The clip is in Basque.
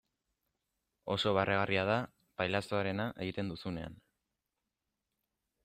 Oso barregarria da pailazoarena egiten duzunean.